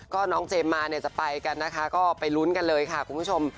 ก็น้องเจมส์มาเนี่ยจะไปกันนะคะก็ไปลุ้นกันเลยค่ะคุณผู้ชม